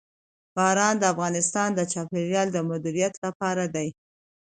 باران د افغانستان د چاپیریال د مدیریت لپاره دی.